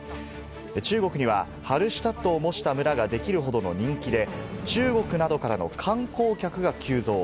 中国にはハルシュタットを模した村ができるほどの人気で中国などからの観光客が急増。